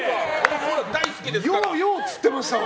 大好きですから！